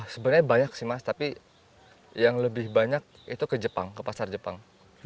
sebenarnya banyak sih mas tapi yang lebih banyak itu ke jepang ke pasar jepang